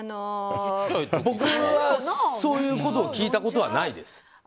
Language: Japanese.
僕は、そういうことを聞いたことはないです。